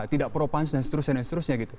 tidak propansi dan seterusnya